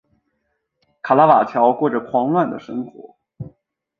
卡拉瓦乔过着狂乱的生活。